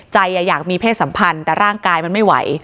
อยากมีเพศสัมพันธ์แต่ร่างกายมันไม่ไหว